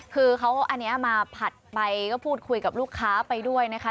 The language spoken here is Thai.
คือเขาอันนี้มาผัดไปก็พูดคุยกับลูกค้าไปด้วยนะคะ